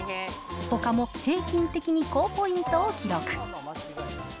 ほかも平均的に高ポイントを記録。